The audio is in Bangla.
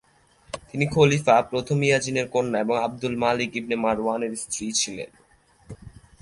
তিনি খলিফা প্রথম ইয়াজিদের কন্যা ও আবদুল মালিক ইবনে মারওয়ানের স্ত্রী ছিলেন।